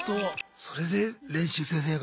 それで練習生生活